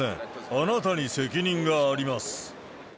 あなたに責任があります。